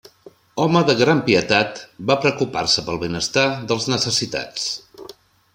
Home de gran pietat, va preocupar-se pel benestar dels necessitats.